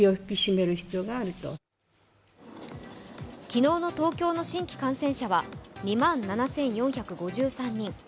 昨日の東京の新規感染者は２万７４５３人。